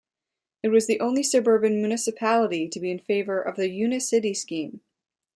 It was the only suburban municipality to be in favour of the "unicity" scheme.